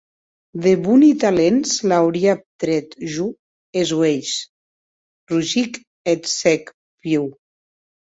De boni talents l’auria trèt jo es uelhs, rugic eth cèc Pew.